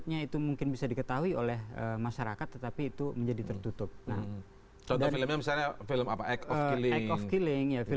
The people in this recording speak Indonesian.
yang komprehensif dong